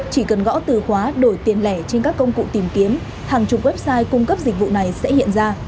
chỉ cần gõ từ khóa đổi tiền lẻ trên các công cụ tìm kiếm hàng chục website cung cấp dịch vụ này sẽ hiện ra